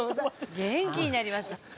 元気になりました。